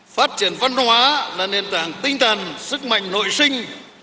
phát triển văn hóa là nền tảng tinh thần sức mạnh nội sinh